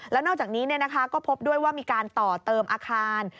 แล้วนอกจากนี้ก็พบด้วยว่ามีการต่อเติมอาคาร